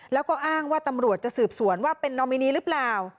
แล้วก็อ้างว่าตำรวจจะสืบสวนว่าเป็นนอมินีหรือเปล่า